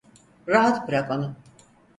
Rahat bırak onu!